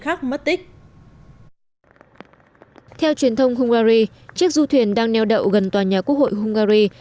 khác mất tích theo truyền thông hungary chiếc du thuyền đang neo đậu gần tòa nhà quốc hội hungary